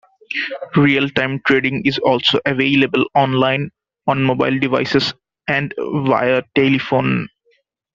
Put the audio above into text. Real-time trading is also available online, on mobile devices, and via telephone.